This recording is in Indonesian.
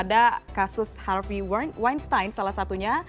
ada kasus harvey winestine salah satunya